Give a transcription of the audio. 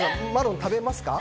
食べます。